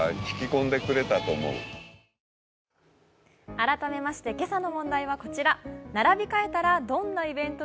改めまして、今朝の問題はこちら。